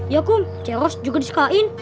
ya bu ceros juga disukain